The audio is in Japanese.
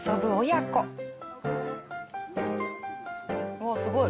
うわっすごい！